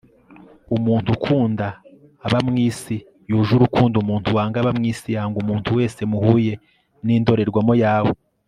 umuntu ukunda aba mu isi yuje urukundo umuntu wanga aba mwisi yanga umuntu wese muhuye ni indorerwamo yawe